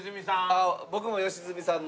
あっ僕も良純さんの。